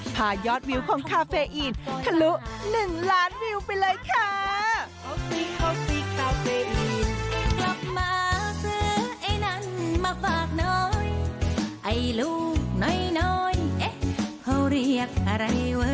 พายอดวิวของคาเฟอีนทะลุ๑ล้านวิวไปเลยค่ะ